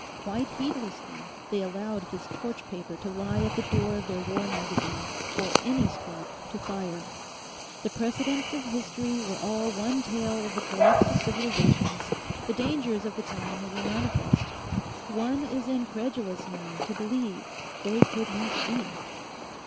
Quite heedlessly they allowed this torch paper to lie at the door of their war magazine for any spark to fire. The precedents of history were all one tale of the collapse of civilisations, the dangers of the time were manifest. One is incredulous now to believe they could not see.